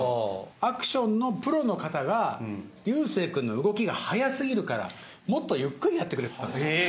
アクションのプロの方が流星君の動きが速すぎるからもっとゆっくりやってくれっつったんだから。